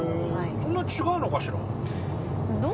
へぇそんな違うのかしら？